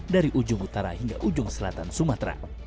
dari ujung utara hingga ujung selatan sumatera